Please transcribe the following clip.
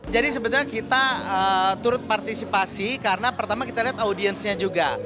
jadi sebenarnya kita turut partisipasi karena pertama kita lihat audiensnya juga